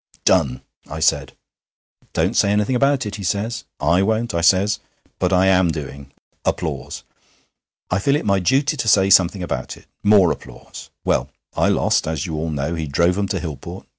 "Done," I said. "Don't say anything about it," he says. "I won't," I says but I am doing. I feel it my duty to say something about it. (More applause.) Well, I lost, as you all know. He drove 'em to Hillport.